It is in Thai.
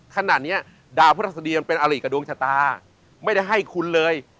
ขนาดเนี้ยดาวพระศดีมันเป็นอะไรกับดวงชะตาไม่ได้ให้คุ้นเลย